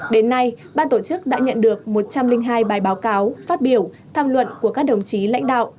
đến nay ban tổ chức đã nhận được một trăm linh hai bài báo cáo phát biểu tham luận của các đồng chí lãnh đạo